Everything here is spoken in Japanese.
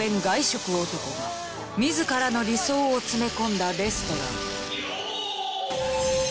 外食男が自らの理想を詰め込んだレストラン。